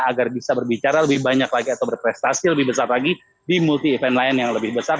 agar bisa berbicara lebih banyak lagi atau berprestasi lebih besar lagi di multi event lain yang lebih besar